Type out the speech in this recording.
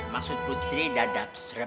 maksud putri dadap serap